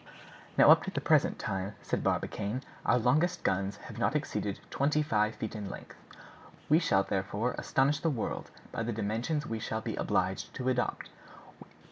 "Now, up to the present time," said Barbicane, "our longest guns have not exceeded twenty five feet in length. We shall therefore astonish the world by the dimensions we shall be obliged to adopt.